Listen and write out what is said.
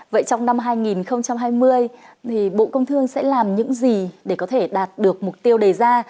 vậy trong năm hai nghìn hai mươi thì bộ công thương sẽ làm những gì để có thể đạt được mục tiêu đề ra